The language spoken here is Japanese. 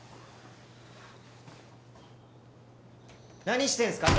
何してんすか？